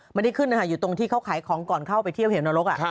ไม่ได้ขึ้นนะคะอยู่ตรงที่เขาขายของก่อนเข้าไปเที่ยวเหวนรก